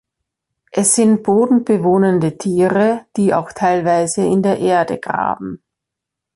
Es sind bodenbewohnende Tiere, die auch teilweise in der Erde graben.